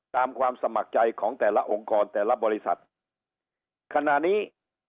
ความสมัครใจของแต่ละองค์กรแต่ละบริษัทขณะนี้